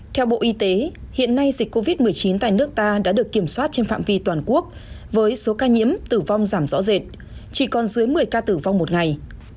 theo bộ y tế hiện nay dịch covid một mươi chín tại nước ta đã được kiểm soát trên phạm vi toàn quốc với số ca nhiễm tử vong giảm rõ rệt chỉ còn dưới một mươi ca tử vong một ngày